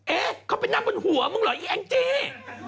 เอ๊ะเขาไปนั่งบนหัวมึงเหรออีแองจี้